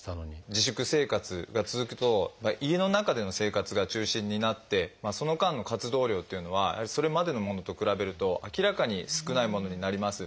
自粛生活が続くと家の中での生活が中心になってその間の活動量っていうのはそれまでのものと比べると明らかに少ないものになります。